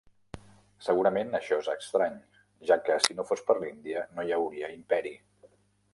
"Segurament això és estrany, ja que si no fos per l'Índia no hi hauria imperi."